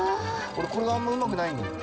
俺これがあんまうまくないのよ。